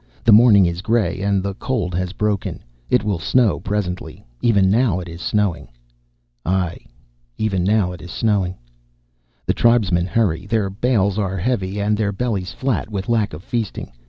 The morning is gray, and the cold has broken. It will snow presently. Even now is it snowing." "Ay, even now is it snowing." "The tribesmen hurry. Their bales are heavy, and their bellies flat with lack of feasting.